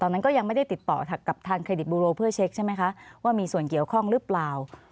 นั้นก็ยังไม่ได้ติดต่อกับทางเครดิตบูโรเพื่อเช็คใช่ไหมคะว่ามีส่วนเกี่ยวข้องหรือเปล่า